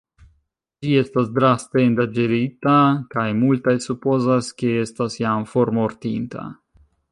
Ĝi estas draste endanĝerita kaj multaj supozas, ke estas jam formortinta.